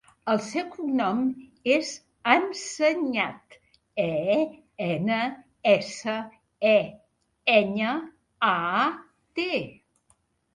El seu cognom és Enseñat: e, ena, essa, e, enya, a, te.